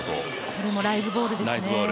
これもライズボールですね。